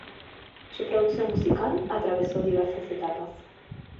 Su producción musical atravesó diversas etapas.